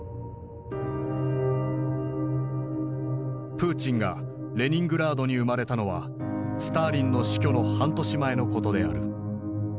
プーチンがレニングラードに生まれたのはスターリンの死去の半年前のことである。